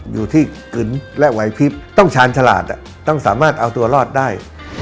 อยู่ที่กึนและไหวพลิบต้องชาญฉลาดต้องสามารถเอาตัวรอดได้